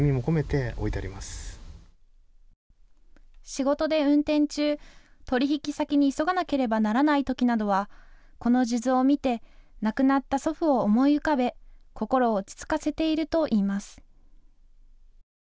仕事で運転中、取引先に急がなければならないときなどはこの数珠を見て亡くなった祖父を思い浮かべ心を落ち着かせているといいます。